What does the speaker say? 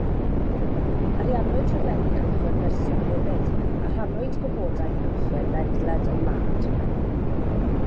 Ariannwyd rhaglenni ymchwil nyrsio hefyd a rhannwyd gwybodaeth ymchwil ledled y wlad.